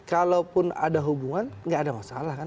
saya rasa kalau pun ada hubungan nggak ada masalah